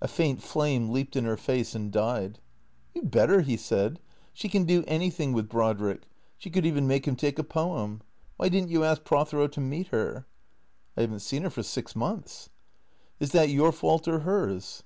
A faint flame leaped in her face and died. " You 'd better," he said. " She can do anything with Brod rick. She could even make him take a poem. Why did n't you ask Prothero to meet her ?"" I have n't seen her for six months." "Is that your fault or hers?"